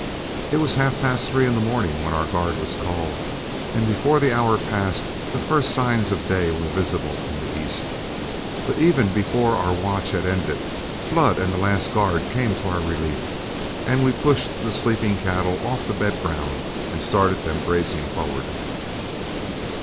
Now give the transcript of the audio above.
It was half past three in the morning when our guard was called, and before the hour passed, the first signs of day were visible in the east. But even before our watch had ended, Flood and the last guard came to our relief, and we pushed the sleeping cattle off the bed ground and started them grazing forward.